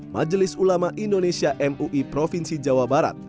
majelis ulama indonesia mui provinsi jawa barat